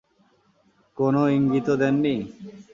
কোন ইঙ্গিতও দেননি?